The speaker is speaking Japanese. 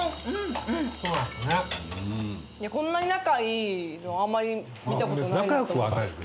こんなに仲いいのあんまり見たことない。